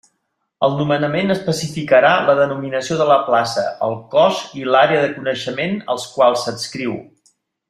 El nomenament especificarà la denominació de la plaça, el cos i l'àrea de coneixement als quals s'adscriu.